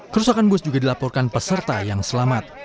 kerusakan bus juga dilaporkan peserta yang selamat